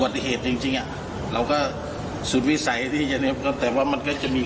ติเหตุจริงจริงอ่ะเราก็สุดวิสัยที่จะเนี้ยก็แต่ว่ามันก็จะมี